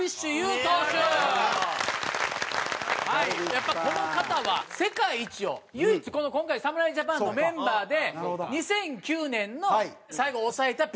やっぱりこの方は世界一を唯一今回侍ジャパンのメンバーで２００９年の最後抑えたピッチャー。